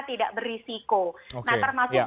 tidak berisiko nah termasuk